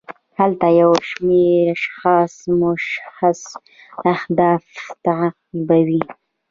هلته یو شمیر اشخاص مشخص اهداف تعقیبوي.